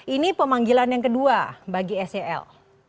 ini pemanggilan yang kedua bagi sel